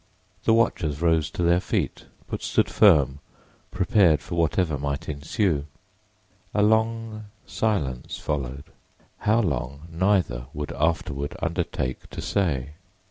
The watchers rose to their feet, but stood firm, prepared for whatever might ensue. A long silence followed—how long neither would afterward undertake to say.